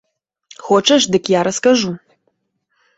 Хочаш, дык я раскажу.